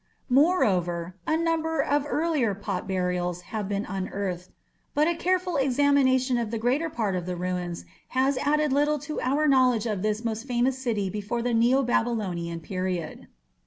Moreover, a number of earlier pot burials have been unearthed, but a careful examination of the greater part of the ruins has added little to our knowledge of this most famous city before the Neo Babylonian period."